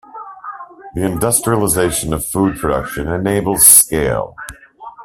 The industrialization of food production enables scale.